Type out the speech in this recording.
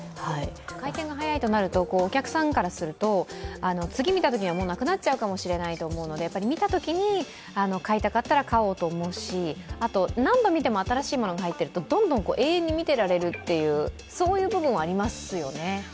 回転が早いとなると、お客さんからすると、次に見たときにはもうなくなっちゃうかもしれないと思うので、見たときに買いたかったら買おうと思うし、何度見ても新しいものが入るとどんどん永遠に見てられるっていう部分はありますよね。